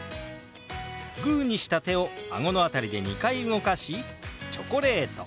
グーにした手をあごの辺りで２回動かし「チョコレート」。